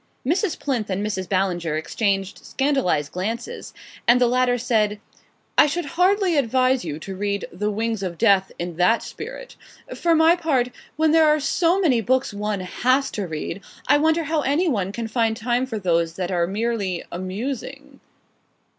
Mrs. Plinth and Mrs. Ballinger exchanged scandalised glances, and the latter said: "I should hardly advise you to read 'The Wings of Death' in that spirit. For my part, when there are so many books one has to read; I wonder how any one can find time for those that are merely amusing."